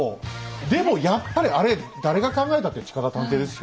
でもやっぱりあれ誰が考えたって近田探偵ですよ。